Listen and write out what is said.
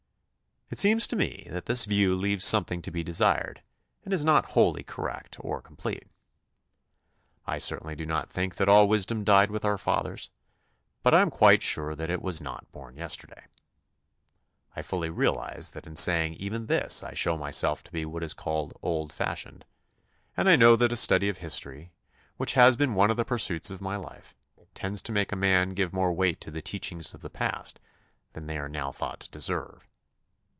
It seems to me that this view leaves something to be desired and is not wholly correct or complete. I certainly do not think that all wisdom died with our fathers, but I am quite sure that it was not born yesterday. I fully realize that in saying even this I show myself to be what is called old fashioned, and I know that a study of histoiy, which has been one of the pursuits of my life, tends to make a man give more weight to the teachings of the past than they are now thought to deserve.